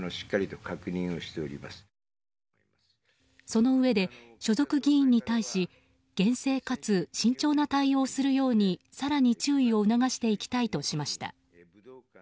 そのうえで所属議員に対し厳正かつ慎重な対応をするように更に注意を促していきたいとしました。